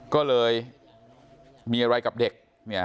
ก็เลยมีอะไรกับเด็ก